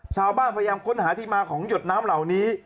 พยายามค้นหาที่มาของหยดน้ำเหล่านี้